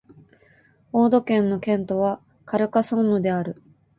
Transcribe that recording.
オード県の県都はカルカソンヌである